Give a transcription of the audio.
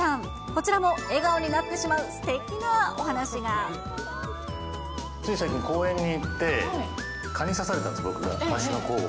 こちらも笑顔になってしまうすてつい最近、公園に行って、蚊に刺されたんです、僕が、足の甲を。